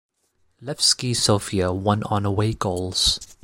Levski Sofia won on away goals.